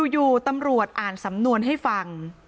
อยู่ตำรวจอ่านสำนวนให้ฟัง